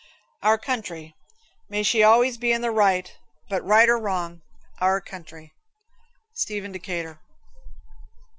Our Country. May she always be in the right but, right or wrong, Our Country. Stephen Decatur.